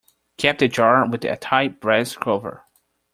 Cap the jar with a tight brass cover.